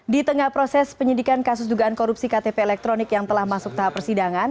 di tengah proses penyidikan kasus dugaan korupsi ktp elektronik yang telah masuk tahap persidangan